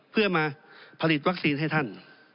เพื่อมาผลิตวัคซีนให้ท่าน